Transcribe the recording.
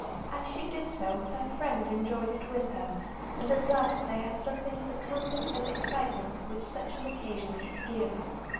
As she did so her friend enjoyed it with her, and at last they had something of the comfort and excitement which such an occasion should give.